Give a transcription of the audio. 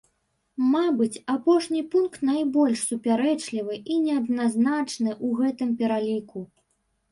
Мабыць, апошні пункт найбольш супярэчлівы і неадназначны ў гэтым пераліку.